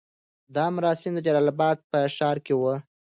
دا مراسم د جلال اباد په ښار کې وو.